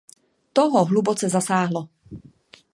To ho hluboce zasáhlo.